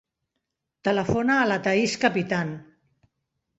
Telefona a la Thaís Capitan.